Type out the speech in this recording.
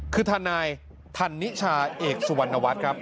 คือทนายธันนิชาเอกสุวรรณวัฒน์ครับ